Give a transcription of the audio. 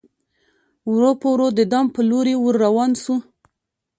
ورو په ورو د دام پر لوري ور روان سو